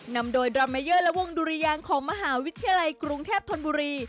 นำโดยดรามเมเยอร์และวงดุริยางของมหาวิทยาลัยกรุงเทพธนบุรี